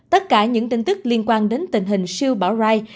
tất cả những tin tức liên quan đến tình hình siêu bão rai